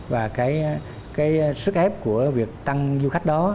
và cái sức ép của việc tăng du khách đó